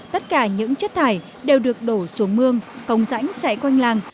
tất cả những chất thải đều được đổ xuống mương cống sảnh chảy quanh làng